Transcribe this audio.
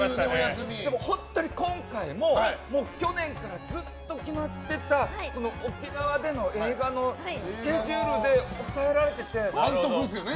本当に今回も去年からずっと決まってた沖縄での映画のスケジュールで監督ですよね。